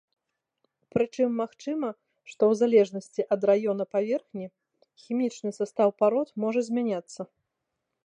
Прычым магчыма, што ў залежнасці ад раёна паверхні, хімічны састаў парод можа змяняцца.